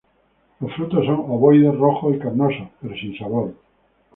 Los frutos son ovoides, rojos y carnosos pero sin sabor.